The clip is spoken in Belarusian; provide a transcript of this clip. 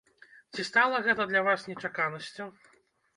Ці стала гэта для вас нечаканасцю?